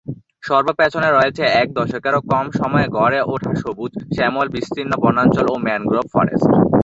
সর্ব পেছনে রয়েছে এক দশকেরও কম সময়ে গড়ে ওঠা সবুজ, শ্যামল বিস্তীর্ণ বনাঞ্চল ও ম্যানগ্রোভ ফরেস্ট।